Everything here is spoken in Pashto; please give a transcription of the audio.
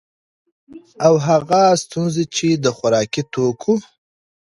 او هغه ستونزي چي د خوراکي توکو